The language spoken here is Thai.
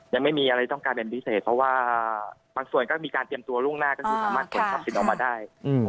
ยังไม่มีอะไรต้องการเป็นพิเศษเพราะว่าบางส่วนก็มีการเตรียมตัวล่วงหน้าก็คือสามารถขนทรัพย์สินออกมาได้